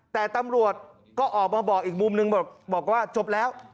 แต่ตำรวจก็ออกมาบอกอีกมุมนึงบอกว่าจบแล้ว